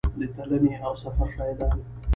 د تلنې او سفر شاهدان وو.